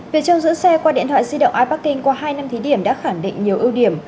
việc trông giữ xe qua điện thoại di động iparking qua hai năm thí điểm đã khẳng định nhiều ưu điểm